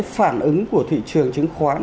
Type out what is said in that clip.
phản ứng của thị trường chứng khoán